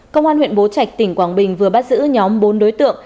công an huyện bố trạch tỉnh quảng bình vừa bắt giữ nhóm bốn đối tượng